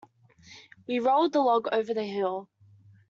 We rolled the log over the hill.